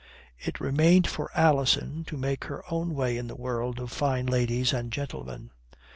It remained for Alison to make her own way in the world of fine ladies and gentlemen.